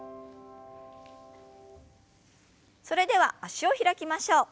それでは脚を開きましょう。